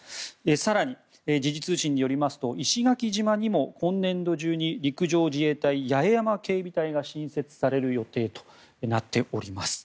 更に時事通信によりますと石垣島にも今年度中に陸上自衛隊八重山警備隊が新設される予定となっております。